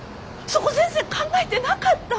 そこ全然考えてなかった。